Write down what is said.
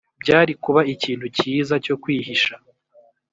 byari kuba ikintu cyiza cyo kwihisha,